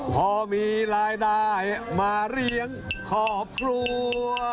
พอมีรายได้มาเลี้ยงครอบครัว